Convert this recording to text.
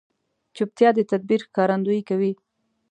چوپتیا، د تدبیر ښکارندویي کوي.